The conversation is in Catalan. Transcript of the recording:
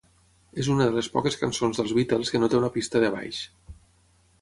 És una de les poques cançons dels Beatles que no té una pista de baix.